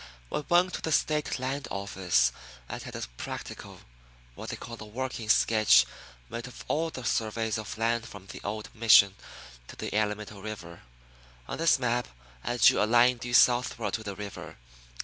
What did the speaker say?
We went to the State land office and had a practical, what they call a "working," sketch made of all the surveys of land from the old mission to the Alamito River. On this map I drew a line due southward to the river.